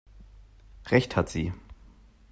Recht hat sie!